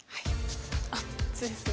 あっ次ですね。